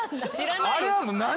あれは何？